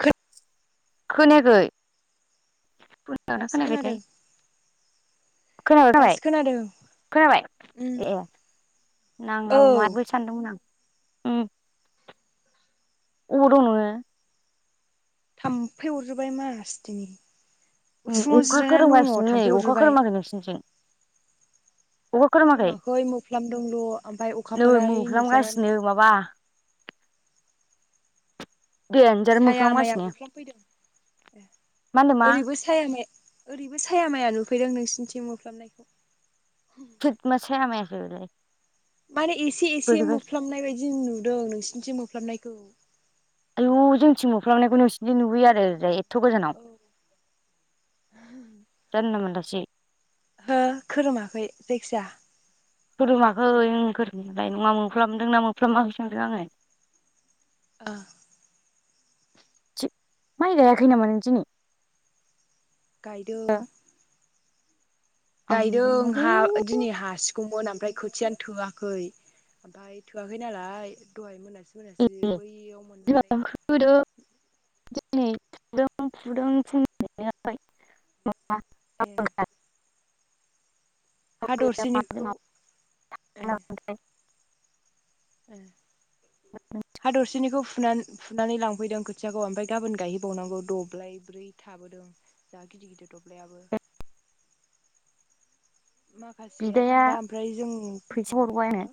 खो खोनायाखै खोनादोंना दासो खोनायाखैथाय? खोनादों खोनाबाय दासो खोनादों। खोनाबाय उम ए औ नाङाबो माबो सानदोंमोन आं। उम अबाव दं नोङो? थाम्फै अरजोबबाय मासतिनि उसुङाव अखा जिरायनानै दङ खोरोमगासिनो नै थाम्फै अखा अरजोबबाय खोरोमाखै नोंसिनिथिं खोरोमाखै मोफ्लामदोंल ओमफ्राय नै अखाफोरा ओइ नुजानानै मोफ्लामगासिनो दं। माबा देनजार साया माया मोफ्लामगासिनो मुफ्लामफैदों मा होनदों मा? ओरैबो साया माया ओरैबो साया माया नुफैदों नोंसिनिथिं मुफ्लामनायखौ थोत मा साया मायासेै बेलाय माने एसे एसे मोफ्लाबनाय बायदि नुदों नोंसिनिथिं मोफ्लामनायखौ। आयु जोंथिं मोफ्लामनायखौ नोंसिनिथिं नुहैयो आरो ओरैजाय एथ गोजानाव औ जानला मोनलासो हो खोरोमाखै जायखिया खोरोमाखै खोरोमनायालाय नङा मोफ्लामदों ना मोफ्लामाखै सोंदों आङो‌। ओ माइ गायाखै नामा नों दिनि? गायदों। गायदों आंहाबो हा दिनै हासिगौमोन आम फ्राय खोथियानो थोआखै ओमफ्राय थोआखै नालाय दहाय मोना सि मोनासि ए बैयाव मोननानै बिमाजों खोदों दिनै फुदुं फुदुं फुंनिफ्रायनो ए [inaudible] हा ओमफ्राय मादों दरसेनिखौ ए मादों ए हा दरसेनिखौ फु फुना फुनानै लांफैदों खोथियाखौ ओमफ्राय गाबोन गायहैबावनांगौ दब्लाय ब्रै थाबोदों जा गिदिर गिदिर दब्लायाबो। माखासेया बिदाया थांला ओमफ्राय जों थांनायफ्रा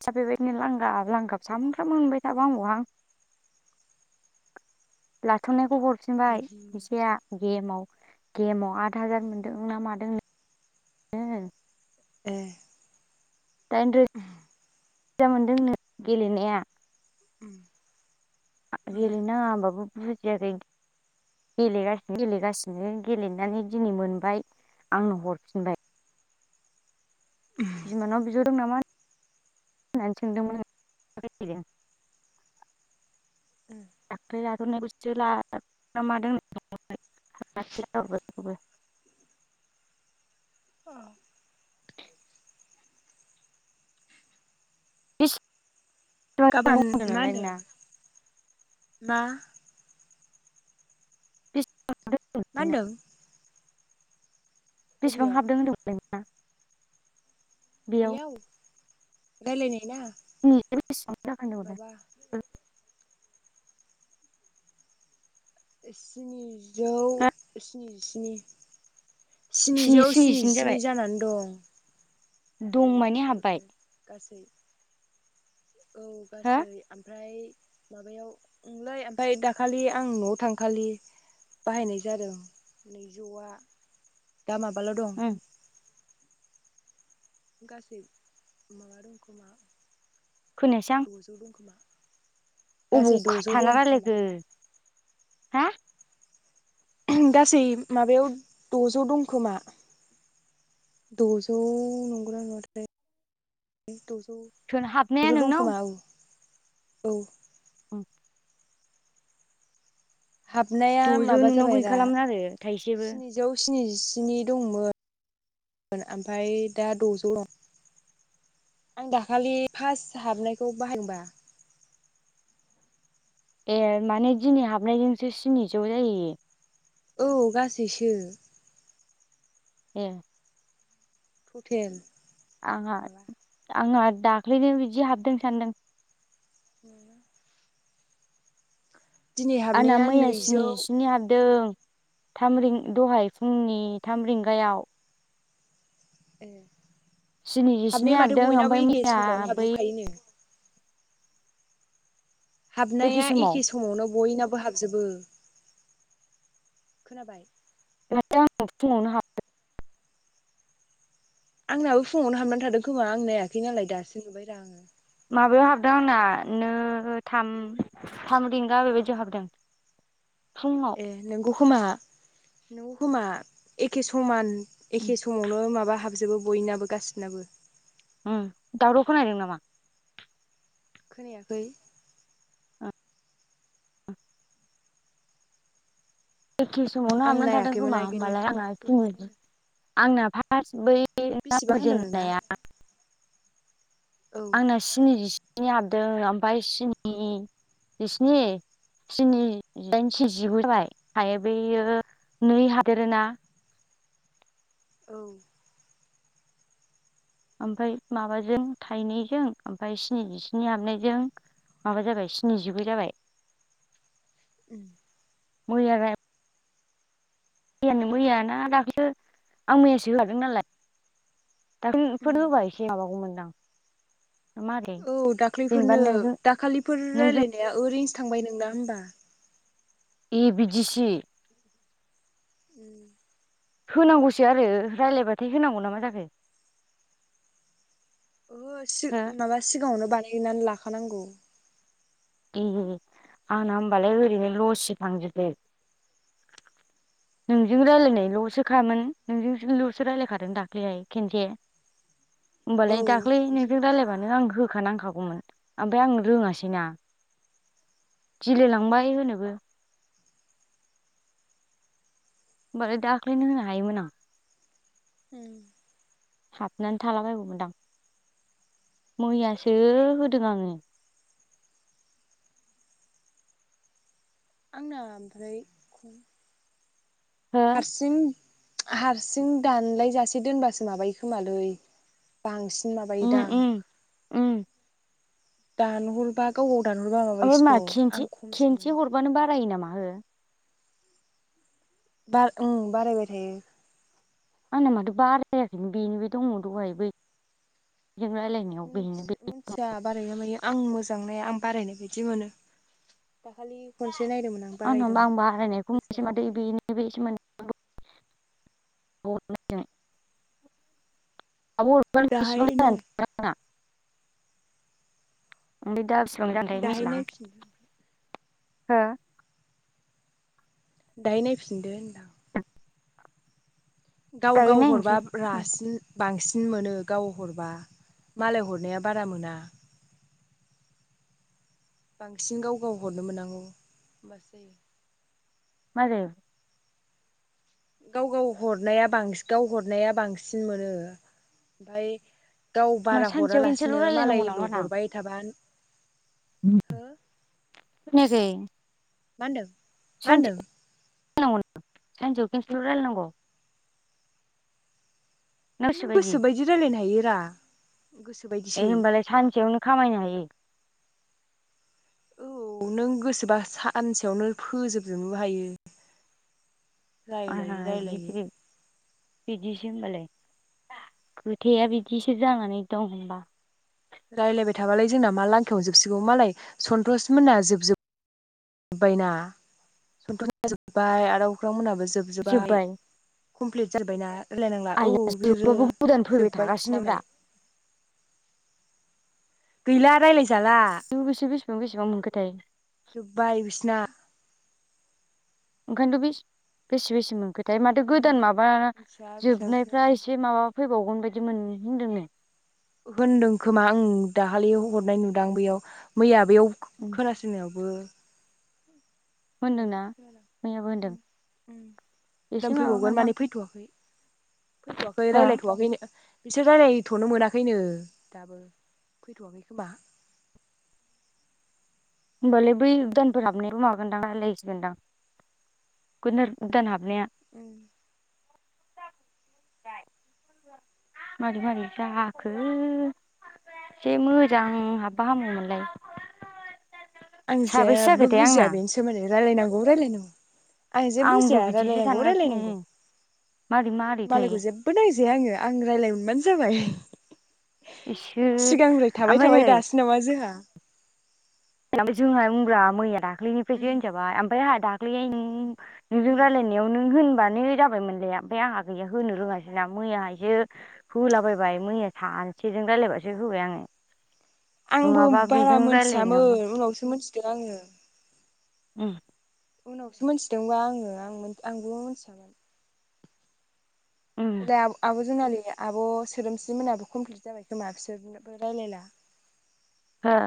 आतसा बेबायदिनो लांगाब लांगाब सामफ्रामबो मोनबाय थाबा हामगौ आं। लाथनायखौ हरफिनबाय उमहो फैसाया गेमाव गेमाव आद हाजार मोनदों ना मादों नो ए दाइन रो [inaudible] मोनदों नो गेलेनाया। उम आ उम गेलेनाङा होनबाबो बुजियाखै गेलेगासिनो गेलेगासिनो गेलेनानै दिनै मोनबाय। आंनो हरफिनबाय बिमानाव बिहद दों नामा होननानै सोंदोंमोन आं [inaudible] उम दाख्लै ला थ'नायखौसो लादोंना मादों होननानै [inaudible] औ [inaudible] गाबोन होनदों मा नालाय होनो ना। मा? बिस मा ओनदों बेसेबां हाबदों होबदोंमोनलाय नोंना? बेयाव रायलायनाय ना माबा [inaudible] स्निजौ हो स्निजिस्नि स्नि स्निजौ स्निजिनि जाबाय स्निजिस्नि जानानै दं। ओ दं मानि हाबबाय थ'थेल गासै औ हो गासै आमफ्राय माबायाव ओंलै ओमफाय दाखालि आं न'आव थांखालि बाहायनाय जादों नैजौआ दा माबाल' दं ओं गासै माबा दंखोमा खोनायासै आं द'जौ दंखोमा। गासै अबाव खा द'जौ थाना दंखोमा रायलायखो हा? गासै माबायाव द'जौ दंखोमा। द'जौ नंगौना नङा थाय द' सोर हाबनाया जौ नोंनाव दंखोमा औ औ। [inaudible] हाबनाया द'जौ माबा नोंनाव जाबाय दा गैखालामोन आरो थाइसेबो स्निजौ स्निजि। स्नि दंमोन ओमफाय दा द'जौ दं। आं दाखालि फास्ट हाबनायखौ बाहायदोंबा। ए माने दिनै हाबनायजोंसो स्निजौ जाहैयो। औ गासैसो ए थ'थेल। आंहा आंहा दाख्लैनो बिदि हाबदों सानदों। नङा आंना हाबनाया मैया नैजौ स्निजिस्नि हाबदों। थाम रिं दहाय फुंनि थाम रिंगायाव। ए स्निजिस्नि हाबनाया माथो हाबदों बयनाबो ओमफ्राय एखे मैया समावनो बै हाबजोबखायोनो। हाबनाया एखे समावनो बयना बो हाबजोबो खोनाबाय माथो आंनाव फुङावनो हाबदों। आंनाबो फुङावनो हाबनानै थादों खोमा आं नायाखै नालाय दासो नुबायरा आङो। हाब माबायाव हाबदों आंना नो थाम थाम रिंगा बेबायदियाव हाबदों। फुङाव ए नोंगौ खोमा नोंगौ खोमा एखे समान एखे समावनो माबा हाबजोबो बयनाबो गासिनाबो। उम दाव'राव खोनाहैदों नामा? खोनायाखै। एखे समावनो आं हाबनानै थादों नायाखैमोन खोमा बेखायनो होमबालाय दहायसो [unintelligible] नायदों आंना फार्स्ट बै बेसेबां होनदों नोंना [unintelligible] औ आंना सिनि जिस्नि हाबदों ओमफाय सिनि जिस्नि स्नि दाइनसे जिगु जाबाय हायो बेैयो नै हादेरोना औ ओमफाय माबाजों थाइनैजों ओमफ्राय स्निजिसिनि हाबनायजों माबा जाबाय स्निजिगु जाबाय। [inaudible] मैया मैया मैयाना दाख्लै आं मैयासो लादों नालाय। दा फोर होबा एसे माबागौमोनदां मारै औ जेनेबा दाख्लैफोरनो नोंजों दाखालिफोर नोंजों रायलायनाया ओरैनोसो थांबाय नोंना होम्बा ए बिदिसि। उ। होनांगौसो आरो रायज्लायबाथाय होनांगौ नामा जाखो? ओहो सि हो माबा सिगाङावनो बानायनानै लाखानांगौ। ए आंना होमबालाय ओरैनो लसि थांजोबे [inaudible] नोंजों रायज्लायनायल'सो खामोन नोंजोंल'सो रायज्लायखादों दाख्लैहाय खेनसे औ होमबालाय दाख्लैनोनिफ्राय खनसेल'खासै रायलायबानो आं होखानांखागौमोन ओमफ्राय आं रोङासैना गिलायलांबाय होनोबो। मो दाख्लैनो होनो हायोमोन आं। ओ। हाबनानै थालाबायगौमोनदां मैयासो होदों आङो [inaudible] आंना ओमफ्राय हो हारसिं हारसिं दानलायजासे दोनबासो माबायो खोमालै बांसिन बि माबायो उम दां उम उम दानो हरबा गाव दानहरबा ओ मा माबायोसोथ' आं खेनसे खमसो मोनो खेनसे हरबानो बारायो नामा हो? बा ओ बारायबाय थायो। आंना माथो बारायाखै बेनोबे दङ दहाय बै थि मिथिया बारायो ना मायो आं मोजां नाया आं बारायनाय बायदि मोनो। दाखालि खनसे नायदोंमोन आं आंना आं बारायदोंमोन बारायनायखौ मोनसे बिसिबांबा माथो बारायखो बेनो बे मोनसे [unintelligible] आब' [unintelligible] ओनफाय दा दाहाय बिसिबां नाय जाखोथाय दाहाय मोनथिला हां नायफिनदो [unintelligible] हो दायो नायफिनदो होनदां गाव दायो गाव हरबा नायनोसै रासिन बांसिन मोनो गाव हरबा मालाय हरनाया बारा मोना। बांसिन गाव गाव हरनो मोननांगौ होमबासो जायो। मारै? गाव गाव हरनाया बांसिन गाव हरनाया बांसिन मोनो ओमफ्राय गाव मा बारा सानसेयाव खनसेल' हरालासिनो रायलायनांगौ मालायल' नामा रा हरबाय थाबा हो खोनायाखै। माहन्दों सानसे माहन्दों? रायलायनांगौ सानसेयाव खनसेल' रायलाय नाङौ नों गोसोबायदि रायलायनो हायो रा ए गोसोबायदिसो होनबालाय सानसेयावनो खामायनो हायो औ नों गोसोबा सानसेयावनो फोजोबजोबनो हायो रायलायै रायलायै बिदिसै होनोमबालाय [inaudible] खोथाया बिदिसो जानानै दं होनबा रायज्लायबाय थाबालाय जोंना मा लांखायावनो जोबसिगौ मालाय सन्तस मोना जोबजो जोब्बायना सन्थ'समोनना जोब्बाय आदा अख्रां मोनहाबो जोबजोब्बाय जोब्बाय कमप्लिट जाजोबायना [inaudible] राय्लायनांला औ आइया बिसोरो जोबाबो गोदान फैबाय जोबाय बिसिना थागासिनोब्रा मालाय [inaudible] गैला रायलायजाला बेसेबां बेसेबां बेसेबां मोनखोथाय जोब्बाय बिसिना ओंखायनोथ' बे बेसे बेसे मोनखो ओमफ्राय माथो गोदान माबा मिथिया बेसेबां जोबनायफ्रा बेसेबां एसे माबा फैबावगोन बायदि मोन होनदोंनो होनदों खोमा ओं दाखालि हरनाय नुदां बेयाव मैया बेयाव खोनासंनायावबो होननाय बादि होनदोंना खोनादों मैयाबो होनदों उम उम एसे गोदान फैबावगोन माबागोनदां माने फैथ'वाखै फैथ'वाखै हो रायलायथ'वाखैनो बिसोर रायलायथ'नो मोनाखैनो दाबो फैथ'वाखै खोमा [unintelligible] ओमबालाय बै दानफोराबनिबो मागोन दां लागोनदां रायलायसिगोनदां ग [inaudible] [unintelligible] गोदान हाबनाया उम [inaudible] मारि मारि जाखो [inaudible] एसे मोजां हाबबा हामगोमोनलाय आं जेबो बुजिया बेनो सोमोन्दै रायजलायनांगौ रायलायनांगौ आं जे आंबो बुजिया बिदिसो रायलायनांगौ सानगासिनो रायलायनांगौ मारै मारैथाय मालायखौ जेबो नायजा जे आङो आङो रायज्लायनो मोनबानो जाबाय इसोर सिगांनि्फ्राय थाबाय ओमफ्राय थाबाय दासो नामा जोंहा थालांबाय जोंहा ओं ब्रा मैया दाखलैनिफ्रायसो उम होनजाबाय ओमफफ्राय आंहा दाख्लै नों नोंजों उम रायजलायनायाव नों होनब्लानो जाबाय मोनलाया ओमाय आंहा गैया होनो रोङा हास [unintelligible] मैयाहायसो होलाबायबाय मैया सानसेजों राय्लायबासो होबाय आङो आंबो नङाबा बारा बेजों रायलायनायावनो मोनथियामोन उनावसो मोनथिदों आङो उम उनावसो मिथिदोंबा आङों आं-आंबो मिथियामोन उम दा आब जुनालि आब' सोदोमस्रि मोनाबो कमप्लिट जाबाय खोमा बिसोरबो रायलायला हा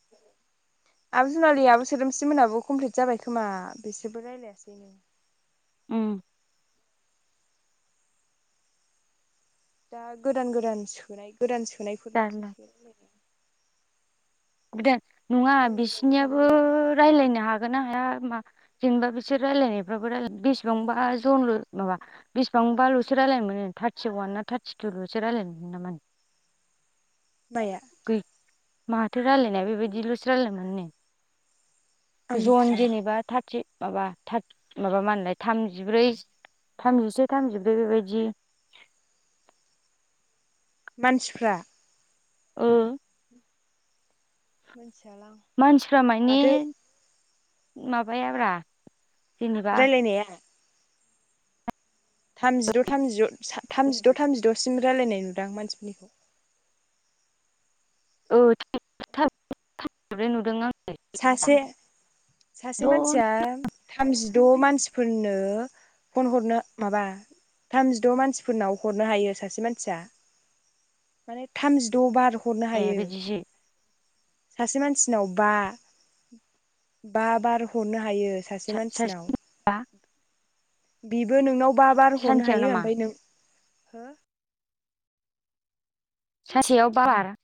[unintelligible] आब जुनालि आब सोदोमस्रि मोनहाबो कमप्लिट जाबाय खोमा बिसोरबो रायजलायासै ननो उम दा गोदान गोदान सोनाय गोदान सोनायफोरल'सो जारला स गोदान नङा रायलायग्रा लोगोआनो बिसिनियाबो गैला आब' राय्लायनो हागोन ना हाया मा जेनेबा बिसोर रायलायनायफ्राबो बेसेबांबा जनल' माबा बेसेबांबाल'सो रायलायनो मोनो थार्टि अवान ना थार्टिटु'सो रायलायनो मोनो नामानो [unintelligible] माया गै माथो रायजलायनाया बेबायदिल'सो रायलायनो मोनो आं नो जन मिथिया जेनेबा थारथि माबा थार माबा मा होनोलाय थामजिब्रै थामजिसे थामजिब्रै बेबायदि [unintelligible] मानसिफ्रा औ मिथियालां मानसिफ्रा माने माथो माबायाब्रा जेनेबा रायलायनायाव थामजिद' थामजिद' थामजिद' थामजिद'सिम रायल्लायनाय नुदां आं मानसिफोरनिखौ। [inaudible] [unintelligible] सासे सासे द'नो मानसिया थामजि द' मानसिफोरनो फन हरनो माबा थामजिद' मानसिफोरनाव हरनो हायो सासे मानसिया माने थामजिद' बार हरनो ए हायो बिदिसो सासे मानसिनाव बा बा बार हरनो हायो सा सासे मानसिनाव सासेबा बिबो नोंनाव बा बार हरनो सानसेयाव हायो नामा ओमफ्राय नों सासेयाव बार